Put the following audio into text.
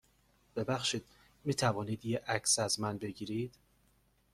ببخشید، می توانید یه عکس از من بگیرید؟